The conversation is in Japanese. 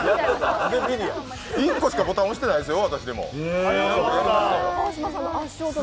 １個しかボタン押してないですよ。